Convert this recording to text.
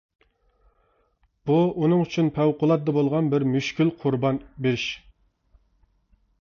بۇ ئۇنىڭ ئۈچۈن پەۋقۇلئاددە بولغان بىر مۈشكۈل قۇربان بېرىش.